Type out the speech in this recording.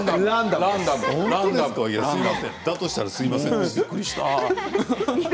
だとしたらすみませんでした。